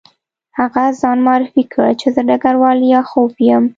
هغه ځان معرفي کړ چې زه ډګروال لیاخوف یم